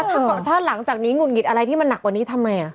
ถ้าหลังจากนี้หงุดหงิดอะไรที่มันหนักกว่านี้ทำไม